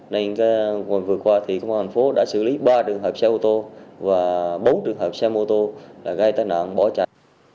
nên vừa qua thì công an thành phố đã xử lý ba trường hợp xe ô tô và bốn trường hợp xe mô tô gây tai nạn bỏ chạy